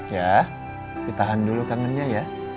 ya ditahan dulu kangennya ya